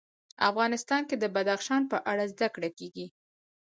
افغانستان کې د بدخشان په اړه زده کړه کېږي.